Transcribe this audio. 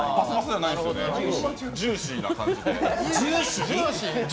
ジューシーな感じで。